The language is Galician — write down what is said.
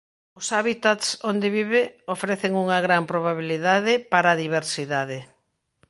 Os hábitats onde vive ofrecen unha gran probabilidade para a diversidade.